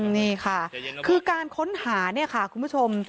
นี่ค่ะคือการค้นหาเนี่ยค่ะคุณผู้ชม